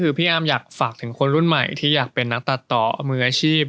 คือพี่อ้ำอยากฝากถึงคนรุ่นใหม่ที่อยากเป็นนักตัดต่อมืออาชีพ